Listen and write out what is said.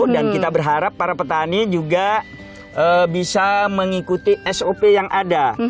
dan kita berharap para petani juga bisa mengikuti sop yang ada